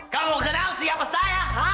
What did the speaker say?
kamu kenal siapa saya hah